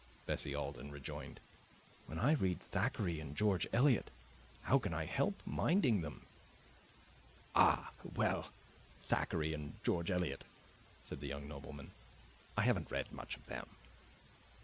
Bessie Alden rejoined. "When I read Thackeray and George Eliot, how can I help minding them?" "Ah well, Thackeray, and George Eliot," said the young nobleman; "I haven't read much of them."